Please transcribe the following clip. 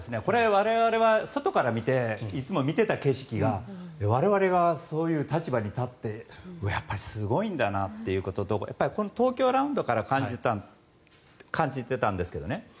我々は外から見ていていつも見ていた景色が我々がそういう立場に立ってやっぱりすごいだなということとそれと、東京ラウンドから感じてたんですけどね